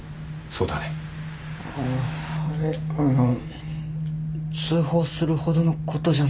あっはいあの通報するほどのことじゃないかと。